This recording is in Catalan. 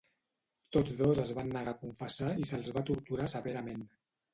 Tots dos es van negar a confessar i se'ls va torturar severament.